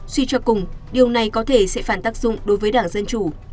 suy cho cùng điều này có thể sẽ phản tác dụng đối với đảng dân chủ